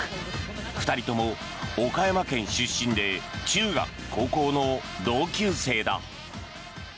２人とも岡山県出身で中学、高校の同級生だ。